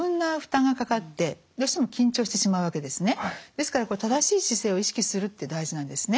ですから正しい姿勢を意識するって大事なんですね。